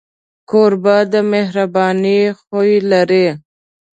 کوربه د مهربانۍ خوی لري.